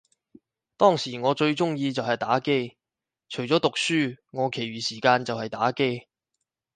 當時我最鍾意就係打機，除咗讀書，我其餘時間就係打機